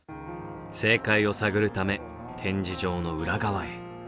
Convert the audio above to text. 正解を探るため展示場の裏側へ。